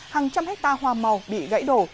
hàng trăm hecta hoa màu bị gãy đổ